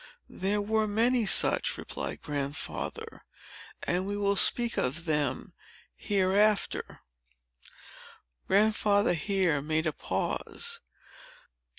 "There were many such," replied Grandfather, "and we will speak of some of them, hereafter." Grandfather here made a pause.